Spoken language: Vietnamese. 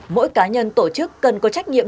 mỗi cá nhân tổ chức cần có trách nhiệm